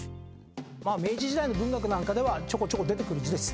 まあ明治時代の文学なんかではちょこちょこ出てくる字です。